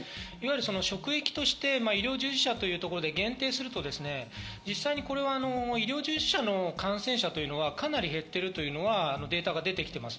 職域として医療従事者というところで限定すると、実際に医療従事者の感染者というのはかなり減っているというのはデータが出てきています。